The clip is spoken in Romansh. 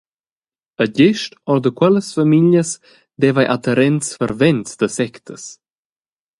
E gest orda quellas famiglias deva ei adherents fervents da sectas.